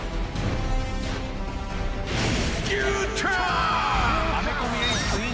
［牛タン］